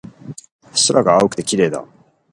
空が青くて綺麗だ